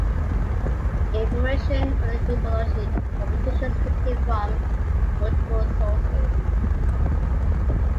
Information for the hippology competitions is taken from multiple sources.